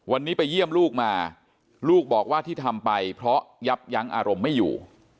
วันนี้ไปเยี่ยมลูกมาลูกบอกว่าที่ทำไปเพราะยับยั้งอารมณ์ไม่อยู่